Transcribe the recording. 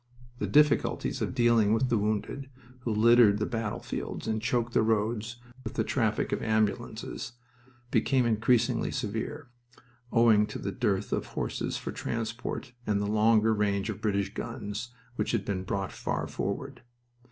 The difficulties of dealing with the wounded, who littered the battlefields and choked the roads with the traffic of ambulances, became increasingly severe, owing to the dearth of horses for transport and the longer range of British guns which had been brought far forward.